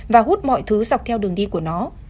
và hút mọi thứ dọc theo đường đi của nó